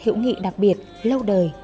hữu nghị đặc biệt lâu đời